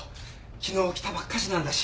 昨日来たばっかしなんだし。